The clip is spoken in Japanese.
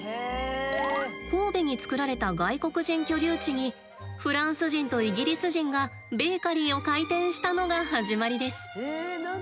神戸に作られた外国人居留地にフランス人とイギリス人がベーカリーを開店したのが始まりです。